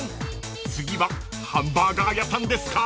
［次はハンバーガー屋さんですか？］